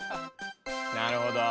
なるほど。